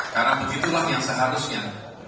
karena begitulah yang seharusnya